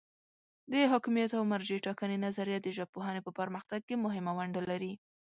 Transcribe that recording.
د حاکمیت او مرجع ټاکنې نظریه د ژبپوهنې په پرمختګ کې مهمه ونډه لري.